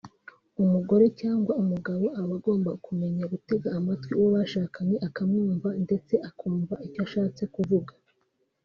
umugore cyangwa umugabo aba agomba kumenya gutega amatwi uwo bashakanye akamwumva ndetse akumva n’icyo ashatse kuvuga